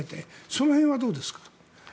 その辺はどうですか？